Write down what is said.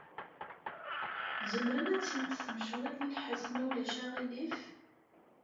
Tzemrem ad tesneqsem cwiṭ n lḥess, ma ulac aɣilif?